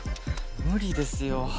無理ですよ